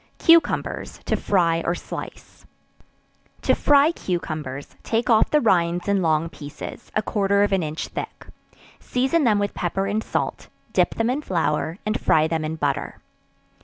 Cucumbers, to Fry or Slice. To fry cucumbers, take off the rinds in long pieces, a quarter of an inch thick; season them with pepper and salt; dip them in flour, and fry them in butter.